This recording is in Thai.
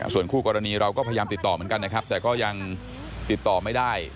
ส่วนคู่กรณีเราก็พยายามติดต่อเหมือนกันนะครับแต่ก็ยังติดต่อไม่ได้